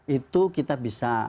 itu kita bisa